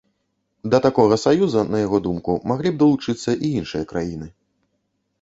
Да такога саюза, на яго думку, маглі б далучыцца і іншыя краіны.